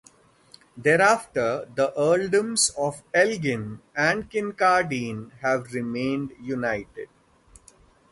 Thereafter, the Earldoms of Elgin and Kincardine have remained united.